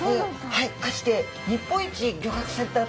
はい。